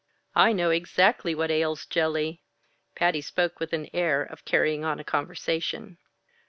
"I know exactly what ails Jelly!" Patty spoke with the air of carrying on a conversation.